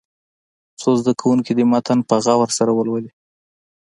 څو زده کوونکي دې متن په غور سره ولولي.